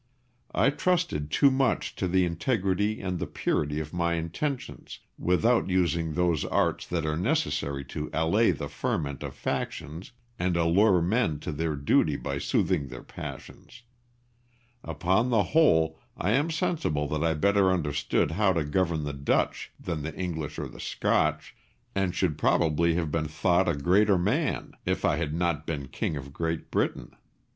I trusted too much to the integrity and the purity of my intentions, without using those arts that are necessary to allay the ferment of factions and allure men to their duty by soothing their passions. Upon the whole I am sensible that I better understood how to govern the Dutch than the English or the Scotch, and should probably have been thought a greater man if I had not been King of Great Britain.